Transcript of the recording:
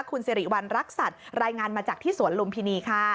คุณสิริวัณรักษัตริย์รายงานมาจากที่สวนลุมพินีค่ะ